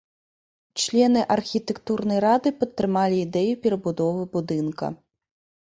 Члены архітэктурнай рады падтрымалі ідэю перабудовы будынка.